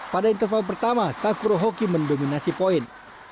pada interval pertama tafro hoki mendominasi poin